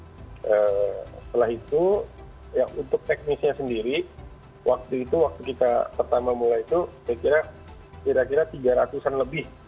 setelah itu yang untuk teknisnya sendiri waktu itu waktu kita pertama mulai itu saya kira kira tiga ratus an lebih